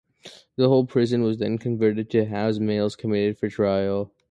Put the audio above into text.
The whole prison was then converted to house males committed for trial.